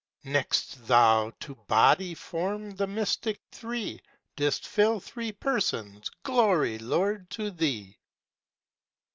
Next Thou, to body forth the mystic Three, Didst fill three Persons: Glory, Lord, to Thee!